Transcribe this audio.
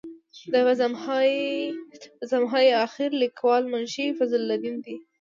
د بزم های اخیر لیکوال منشي فضل الدین دی.